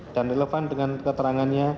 dan relevan dengan keterangannya